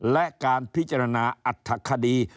และการพิจารณาอัฐคดี